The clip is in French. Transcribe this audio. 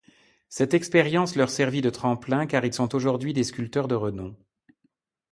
Cette expérience leur servit de tremplin, car ils sont aujourd'hui des sculpteurs de renom.